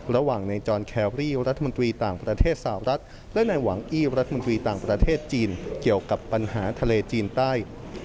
ระหว่างในจอนแครรี่รัฐมนตรีต่างประเทศสาวรัฐและในหวังอี้รัฐมนตรีต่างประเทศจีนเกี่ยวกับปัญหาทะเลจีนใต้